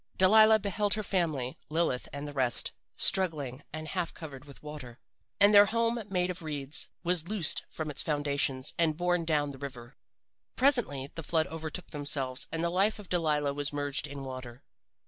Delilah beheld her family Lilith and the rest struggling and half covered with water, and their home made of reeds was loosed from its foundations and borne down the river. "Presently the flood overtook themselves and the life of Delilah was merged in water.